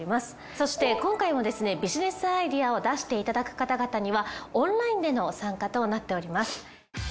そして今回もですねビジネスアイデアを出していただく方々にはオンラインでの参加となっております。